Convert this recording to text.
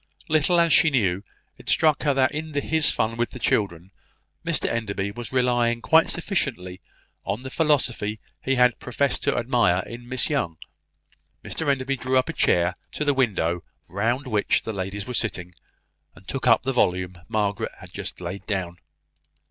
Little as she knew, it struck her that in his fun with the children, Mr Enderby was relying quite sufficiently on the philosophy he had professed to admire in Miss Young. Mr Enderby drew a chair to the window round which the ladies were sitting, and took up the volume Margaret had just laid down.